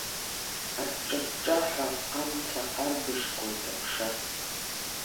Аҿҿа-ҿҿаҳәа амца арбыжкуеит аԥша.